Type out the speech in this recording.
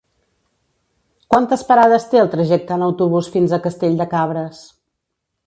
Quantes parades té el trajecte en autobús fins a Castell de Cabres?